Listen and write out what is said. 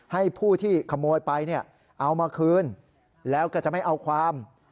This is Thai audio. ให้ผู้ที่ขโมยไปเนี่ยเอามาคืนแล้วก็จะไม่เอาความ